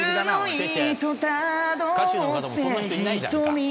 違う違う歌手の方もそんな人いないじゃんか。